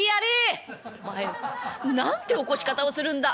「お前はなんて起こし方をするんだ！」。